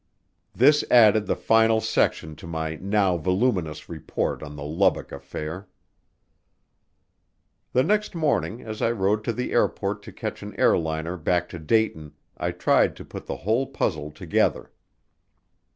This added the final section to my now voluminous report on the Lubbock affair. The next morning as I rode to the airport to catch an airliner back to Dayton I tried to put the whole puzzle together.